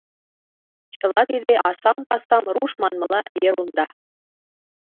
Чыла тиде — асам-пасам, руш манмыла — ерунда.